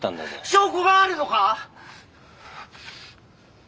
証拠があるのか！？